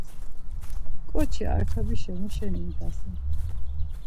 Ǩoçi Arkabişa muşeni idasen?